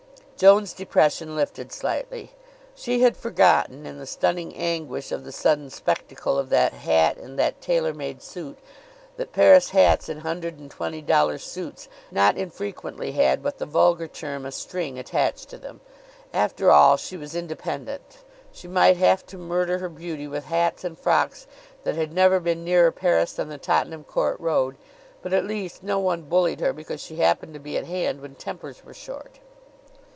Joan's depression lifted slightly. She had forgotten, in the stunning anguish of the sudden spectacle of that hat and that tailor made suit, that Paris hats and hundred and twenty dollar suits not infrequently had what the vulgar term a string attached to them. After all, she was independent. She might have to murder her beauty with hats and frocks that had never been nearer Paris than the Tottenham Court Road; but at least no one bullied her because she happened to be at hand when tempers were short.